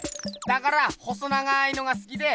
だから細長いのがすきで。